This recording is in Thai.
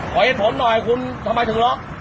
ขอเอ็ดผลหน่อยคุณทำไมถึงล๊อค